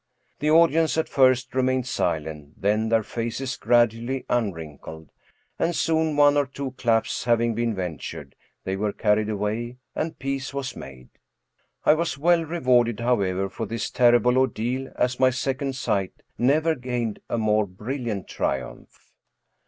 The audience at first remained silent, then their faces gradually unwrinkled, and soon, one or two claps having been ventured, they were carried away and peace was made. I was well rewarded, however, for this terrible ordeal, as my " second sight " never gained a more brilliant triumph.